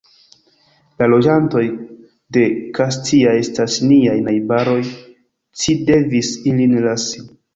La loĝantoj de Kastia estas niaj najbaroj, ci devis ilin lasi.